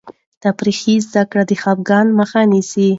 تفریحي زده کړه د خفګان مخه نیسي.